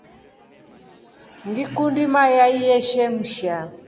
Ngikundi mayai yeshemsha.